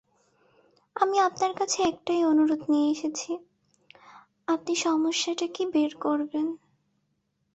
আমি আপনার কাছে একটাই অনুরোধ নিয়ে এসেছি, আপনি সমস্যাটা কী, বের করবেন।